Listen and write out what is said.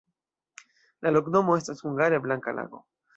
La loknomo estas hungare: blanka-lago.